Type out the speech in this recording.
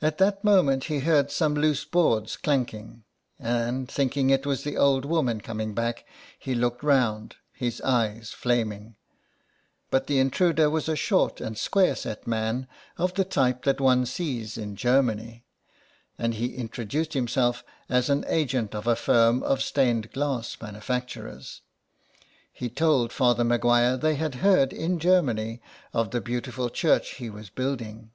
At that moment he heard some loose boards clanking, and, thinking it was the old woman coming back, he looked round, his eyes flaming. But the intruder was a short and square set man, of the type that one sees in Germany, and he introduced himself as an agent of a firm of stained glass manufacturers. He told Father Maguire they had heard in Germany of the beautiful church he was building.